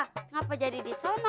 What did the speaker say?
kenapa jadi di sana